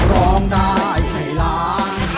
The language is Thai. ร้องได้ให้ล้าน